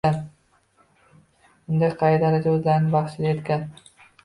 Unga qay darajada o‘zlarini baxshida etgan